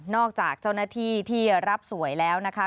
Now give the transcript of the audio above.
จากเจ้าหน้าที่ที่รับสวยแล้วนะคะ